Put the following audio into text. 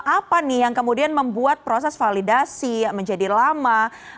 apa nih yang kemudian membuat proses validasi menjadi lama